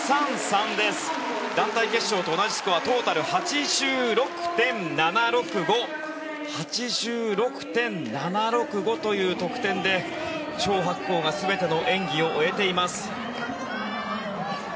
団体決勝と同じスコアトータル８６．７６５。８６．７６５という得点でチョウ・ハクコウが全ての演技を終えています。